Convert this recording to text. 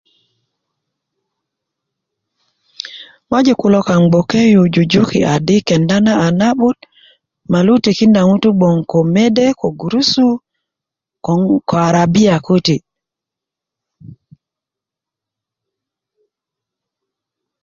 ŋojik kulo kaŋ gboke yu jujiki adi kenda na a na'but molu tikinda ŋutú gboŋ ko mede ko gurusu ko ŋo ko arabia ko de